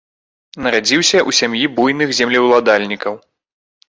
Нарадзіўся ў сям'і буйных землеўладальнікаў.